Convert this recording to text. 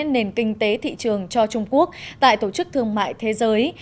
nền kinh tế thị trường cho trung quốc tại tổ chức thương mại thế giới